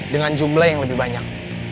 dengan jumlah yang lebih banyak